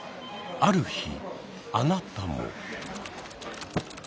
ある日あなたも。